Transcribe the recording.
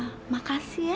terima kasih ya